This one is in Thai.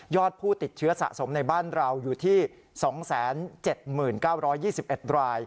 ผู้ติดเชื้อสะสมในบ้านเราอยู่ที่๒๗๙๒๑ราย